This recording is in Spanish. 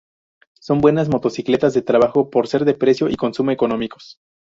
Son buenas motocicletas de trabajo por ser de precio y consumo económicos.